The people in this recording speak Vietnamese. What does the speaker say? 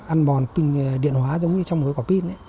ăn bòn p điện hóa giống như trong một cái quả pin